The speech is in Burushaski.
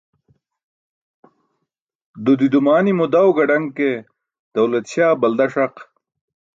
Dudi dumanimo daw gadaṅ ke, dawlat śaa balda ṣaq.